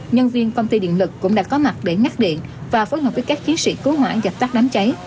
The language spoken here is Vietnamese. nhân viên công ty điện lực cũng đã có mặt để ngắt điện và phối hợp với các chiến sĩ cứu hỏa dập tắt đám cháy